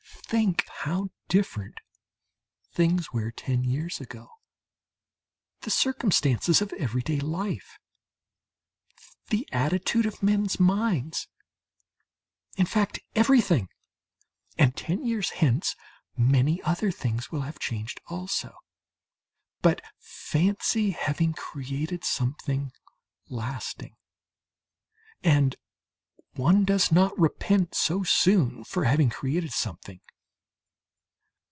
Think how different things were ten years ago the circumstances of everyday life, the attitude of men's minds, in fact everything; and ten years hence many other things will have changed also. But fancy having created something lasting! And one does not repent so soon for having created something.